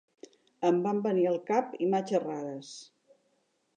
Em van venir al cap imatges rares.